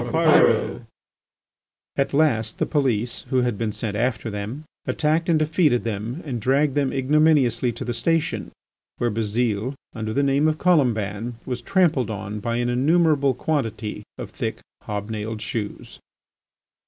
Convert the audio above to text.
Hurrah for Pyrot!" At last the police, who had been sent after them, attacked and defeated them and dragged them ignominiously to the station, where Bazile, under the name of Colomban, was trampled on by an innumerable quantity of thick, hob nailed shoes.